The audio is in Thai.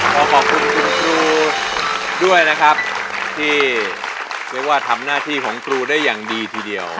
ขอขอบคุณคุณครูด้วยนะครับที่เรียกว่าทำหน้าที่ของครูได้อย่างดีทีเดียว